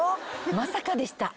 まさかでした。